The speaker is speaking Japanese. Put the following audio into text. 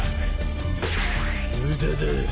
無駄だ。